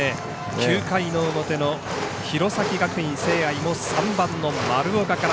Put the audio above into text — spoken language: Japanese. ９回の表の弘前学院聖愛も３番の丸岡から。